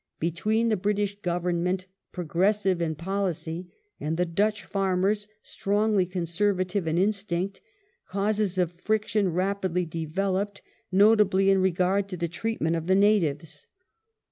Between the British Government, progressive in policy, and the Dutch farmers, strongly Conserva tive in instinct, causes of friction rapidly developed — notably in regard to the treatment of the natives.